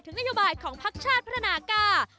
ถึงนโยบายของภาคชาติพลนากา